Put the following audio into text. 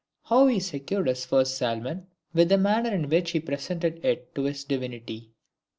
How he secured his first Salmon, with the manner in which he presented it to his divinity.